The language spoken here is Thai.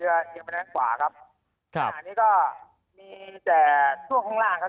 เรือเอียงไปทางขวาครับครับอันนี้ก็มีแต่ช่วงข้างล่างครับ